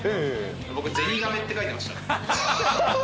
僕、ゼニガメって書いてました。